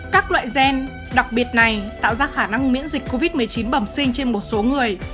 các loại gen đặc biệt này tạo ra khả năng miễn dịch covid một mươi chín bẩm sinh trên một số người